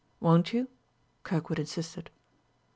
Won't you?" Kirkwood insisted.